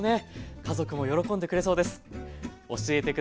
家族も喜んでくれそうです。